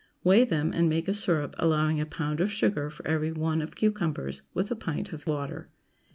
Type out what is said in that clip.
Weigh them, and make a syrup, allowing a pound of sugar for every one of cucumbers, with a pint of water.